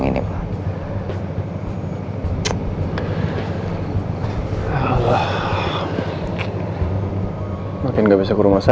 oh iya pak saya dapat info juga dari kepolisian